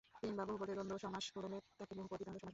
তিন বা বহু পদে দ্বন্দ্ব সমাস হলে তাকে বহুপদী দ্বন্দ্ব সমাস বলে।